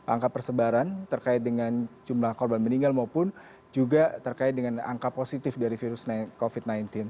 angka persebaran terkait dengan jumlah korban meninggal maupun juga terkait dengan angka positif dari virus covid sembilan belas